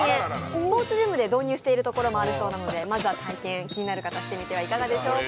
スポーツジムで導入しているところもあるそうなのでまずは体験、気になる方はやってみてはいかがでしょうか。